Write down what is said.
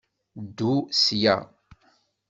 Ddu sya!